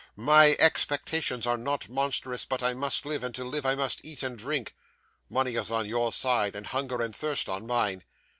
My expectations are not monstrous, but I must live, and to live I must eat and drink. Money is on your side, and hunger and thirst on mine.